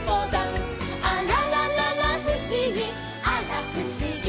「あららららふしぎあらふしぎ」